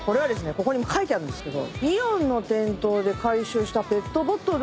ここに書いてあるんですけど。